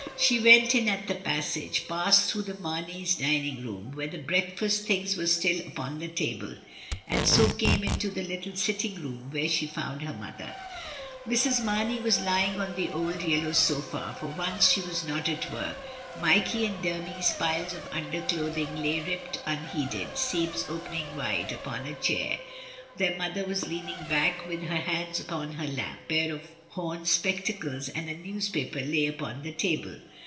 She went in at the passage, passed through the Marneys' dining room, where the breakfast things were still upon the table, and so came into the little sitting room, where she found her mother. Mrs. Mamey was lying on the old yellow sofa; for once she was not at work. Mikey and Dermy's piles of underclothing lay ripped unheeded, seams opening wide, upon a chair. Their mother was leaning back with her hands upon her lap, a pair of horn spectacles and a newspaper lay upon the table.